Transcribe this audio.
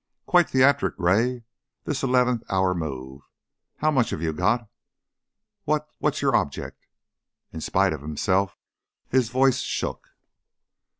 "Quite theatric, Gray, this eleventh hour move. How much have you got? What's your your object?" In spite of himself his voice shook.